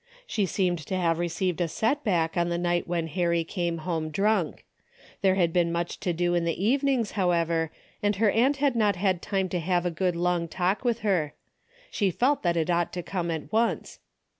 She seemed to have received a set back on the night when Harry came home drunk. There had b^en much to do in the evenings, however, and her aunt had not had time to have a good long talk with her. She felt that it ought to come at once.